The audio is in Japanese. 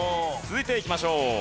続いていきましょう。